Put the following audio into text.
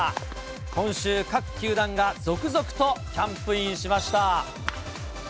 今週、各球団が続々とキャンプインしました。